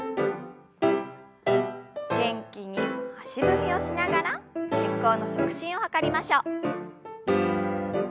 元気に足踏みをしながら血行の促進を図りましょう。